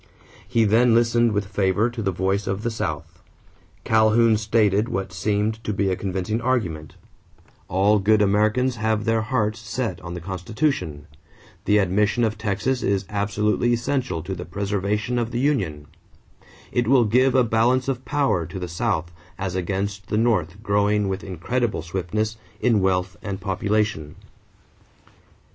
He then listened with favor to the voice of the South. Calhoun stated what seemed to be a convincing argument: All good Americans have their hearts set on the Constitution; the admission of Texas is absolutely essential to the preservation of the union; it will give a balance of power to the South as against the North growing with incredible swiftness in wealth and population.